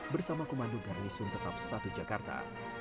bersama komando garnisum tetap satu jakarta